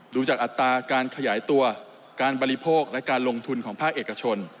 ดูจากอัตราการขยายตัวการบริโภคและการลงทุนของภาคเอกชน